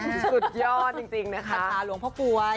สุดยอดจริงนะคะคาถาหลวงพ่อป่วย